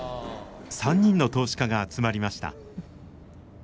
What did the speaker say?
３人の投資家が集まりました。